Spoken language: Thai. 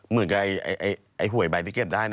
เหมือนกับไอ้หวยใบที่เก็บได้